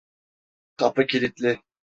Kapı kilitli.